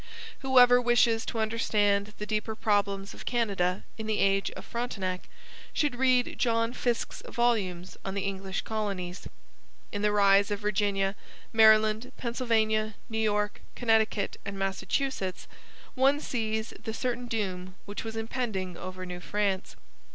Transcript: Whoever wishes to understand the deeper problems of Canada in the age of Frontenac should read John Fiske's volumes on the English colonies. In the rise of Virginia, Maryland, Pennsylvania, New York, Connecticut, and Massachusetts one sees the certain doom which was impending over New France.